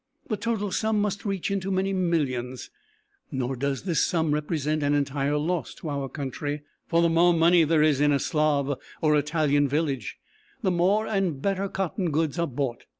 The total sum must reach into many millions. Nor does this sum represent an entire loss to our country; for the more money there is in a Slav or Italian village the more and better cotton goods are bought.